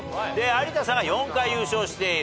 有田さんが４回優勝している。